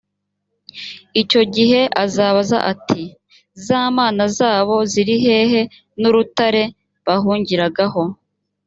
icyo gihe azabaza ati «za mana zabo ziri hehe, n’urutare bahungiragaho?